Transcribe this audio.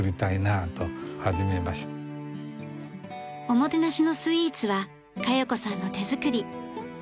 おもてなしのスイーツは香代子さんの手作り。